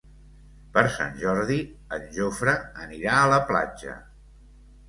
Per Sant Jordi en Jofre anirà a la platja.